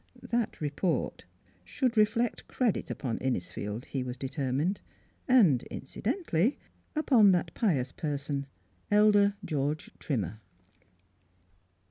That report should reflect credit upon Innisfield, he was de termined, and incidentally upon that pious person, Elder George Trimmer.